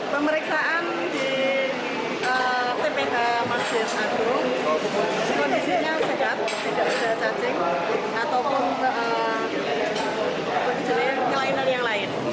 pemeriksaan di tph masjid nasional al akbar kondisinya sedat tidak ada cacing